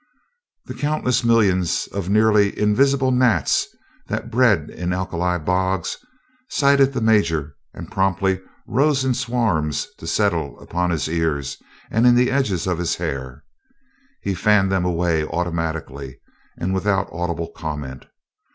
The countless millions of nearly invisible gnats that breed in alkali bogs sighted the Major and promptly rose in swarms to settle upon his ears and in the edges of his hair. He fanned them away automatically and without audible comment.